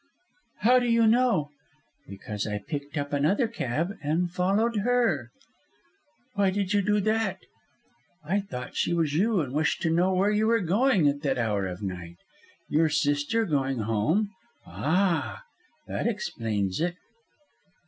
"How do you know?" "Because I picked up another cab and followed her!" "Why did you do that?" "I thought she was you, and wished to know where you were going at that hour of the night. Your sister going home? Ah, that explains it."